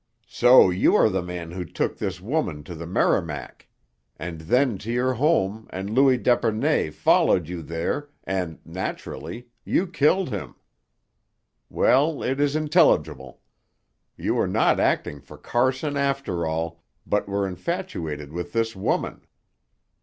"So you are the man who took this woman to the Merrimac. And then to your home, and Louis d'Epernay followed you there, and, naturally, you killed him. Well, it is intelligible. You were not acting for Carson after all, but were infatuated with this woman.